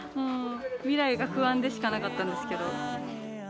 未来が不安でしかなかったんですけど。